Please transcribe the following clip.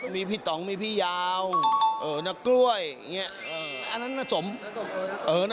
มีพี่ต๋องมีพี่ยาวนักกล้วยอย่างนี้